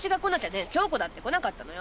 響子だって来なかったのよ。